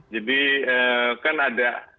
jadi kan ada